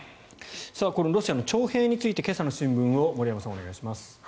このロシアの徴兵について今朝の新聞を森山さん、お願いします。